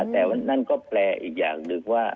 แต่วันนั้นก็แปลอีกอย่างดึงว่า